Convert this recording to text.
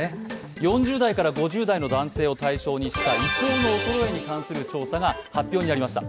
４０代から５０代の男性を対象にした胃腸の衰えに関する調査が発表になりました。